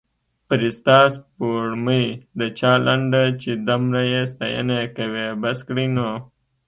فرسته سپوړمۍ د چا لنډه چې دمره یې ستاینه یې کوي بس کړﺉ نو